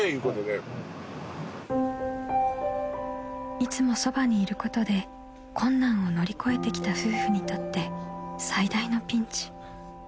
［いつもそばにいることで困難を乗り越えてきた夫婦にとって最大のピンチ］